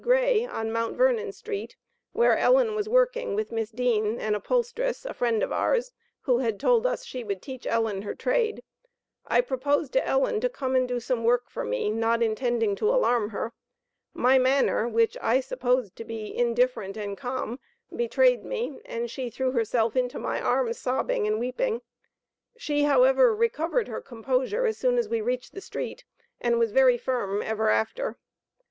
Gray, on Mt. Vernon street, where Ellen was working with Miss Dean, an upholsteress, a friend of ours, who had told us she would teach Ellen her trade. I proposed to Ellen to come and do some work for me, intending not to alarm her. My manner, which I supposed to be indifferent and calm, betrayed me, and she threw herself into my arms, sobbing and weeping. She, however, recovered her composure as soon as we reached the street, and was very firm ever after.